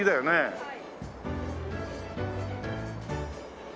はい。